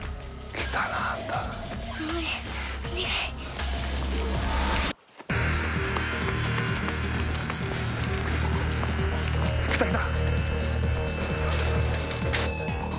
来た来た。